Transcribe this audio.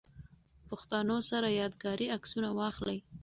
پښتنو سره ياد ګاري عکسونه واخلئ